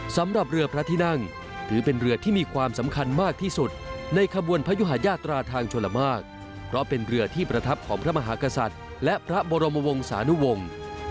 สำหรับเรือพระที่นั่งถือเป็นเรือที่มีความสำคัญมากที่สุดในขบวนพระยุหาญาตราทางชลมากเพราะเป็นเรือที่ประทับของพระมหากษัตริย์และพระบรมวงศานุวงศ์